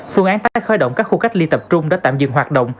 phương án tái khởi động các khu cách ly tập trung đã tạm dừng hoạt động